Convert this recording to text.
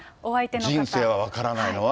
ただ、人生は分からないのは。